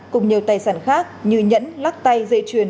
cùng nhiều tài sản khác như nhẫn lắc tay dây chuyền